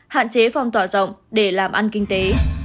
hạn chế phong tỏa rộng để làm ăn kinh tế